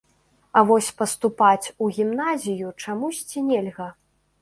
А вось паступаць у гімназію чамусьці нельга.